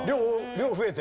量増えて？